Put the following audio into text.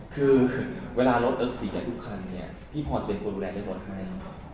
คือเวลารถเอิ๊กเสียทุกครั้งเนี่ยพี่พอจะเป็นคนดูแลเรื่องรถให้